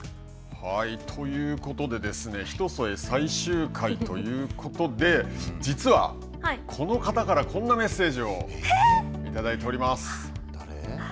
ということで「ひとそえ」最終回ということで実は、この方からこんなメッセージをいただいております。